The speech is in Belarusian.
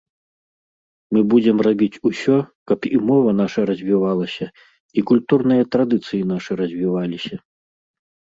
Мы будзем рабіць усё, каб і мова наша развівалася, і культурныя традыцыі нашы развіваліся.